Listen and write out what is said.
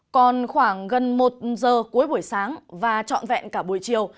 còn khoảng gần một giờ cuối buổi sáng và trọn vẹn cả buổi chiều